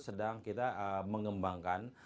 sedang kita mengembangkan